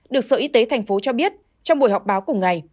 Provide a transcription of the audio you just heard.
được sở y tế tp hcm cho biết trong buổi họp báo cùng ngày